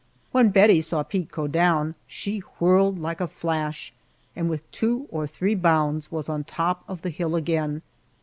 When Bettie saw Pete go down, she whirled like a flash and with two or three bounds was on top of the hill again.